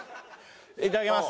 いただきます。